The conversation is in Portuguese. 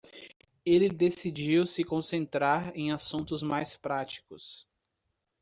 Ele decidiu se concentrar em assuntos mais práticos.